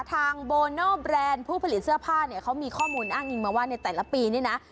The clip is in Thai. ทางโบโนแบรนด์ผู้ผลิตเสื้อผ้าเนี่ยเขามีข้อมูลอ้างอิงมาว่าในแต่ละปีนี่นะ